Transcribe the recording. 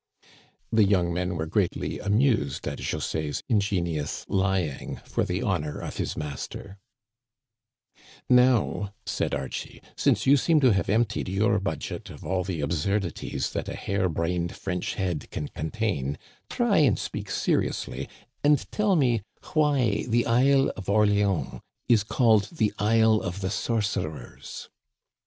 The young men were greatly amused at Jose's in genious lying for the honor of his master. " Now," said Archie, since you seem to have emp tied your budget of all the absurdities that a hair brained French head can contain, try and speak seriously, and Digitized by VjOOQIC A NIGHT WITH THE SORCERERS. 37 tell me why the Isle of Orleans is called the Isle of the Sorcerers."